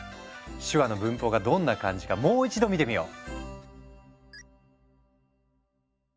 手話の文法がどんな感じかもう一度見てみよう。